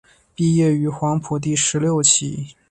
毕业于黄埔第十六期。